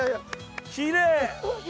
きれい。